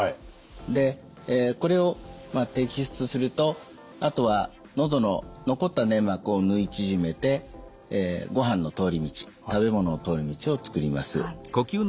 でこれを摘出するとあとは喉の残った粘膜を縫い縮めてごはんの通り道食べ物の通り道を作ります。